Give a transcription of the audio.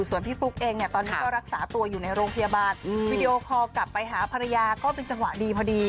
ส่วนพี่ฟลุ๊กเองเนี่ยตอนนี้ก็รักษาตัวอยู่ในโรงพยาบาลวิดีโอคอลกลับไปหาภรรยาก็เป็นจังหวะดีพอดี